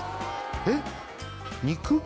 えっ肉？